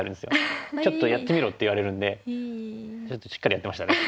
「ちょっとやってみろ」って言われるんでしっかりやってましたね。